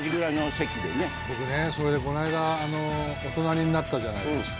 僕ねそれでこの間お隣になったじゃないですか。